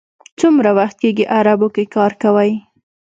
څومره وخت کېږي عربو کې کار کوئ.